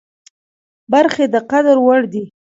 برخې د قدر وړ دي.